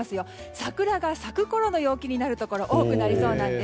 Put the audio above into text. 桜が咲くころの陽気になるところ多くなりそうなんです。